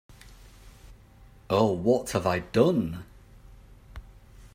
Oh, what have I done?